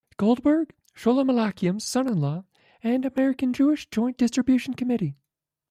Goldberg, Sholem Aleichem's son-in-law, and American Jewish Joint Distribution Committee.